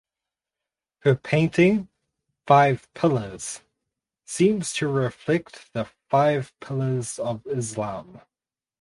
Her painting "Five Pillars" seems to reflect the Five Pillars of Islam.